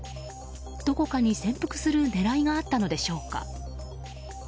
どこかに潜伏する狙いがあったのでしょうか。